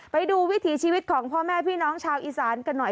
วิถีชีวิตของพ่อแม่พี่น้องชาวอีสานกันหน่อย